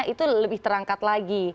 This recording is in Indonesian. itu lebih terangkat lagi